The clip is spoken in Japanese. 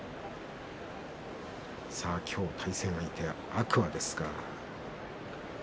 今日の対戦相手は天空海です。